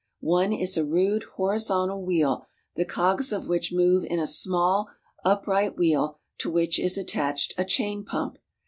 One is a rude horizontal wheel the cogs of which move in a small upright wheel to which is attached a chain pump.